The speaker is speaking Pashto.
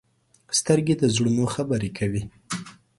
سترګې د زړونو خبرې کوي